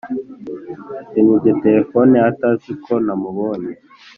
yanyibye telephone atazi ko namubonye